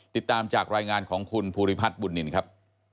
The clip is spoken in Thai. ติดตามจากรายงานของคุณภูริพัฒน์บุญนินครับ